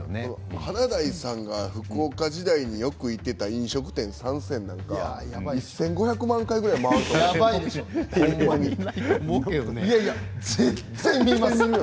華大さんが、福岡時代によく行っていた飲食店３選なんか１５００万回ぐらい回ると思いますよ。